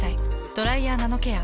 「ドライヤーナノケア」。